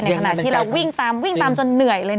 ขณะที่เราวิ่งตามวิ่งตามจนเหนื่อยเลย